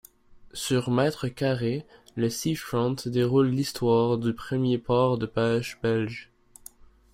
Sur mètres carrés, le Seafront déroule l'histoire du premier port de pêche belge.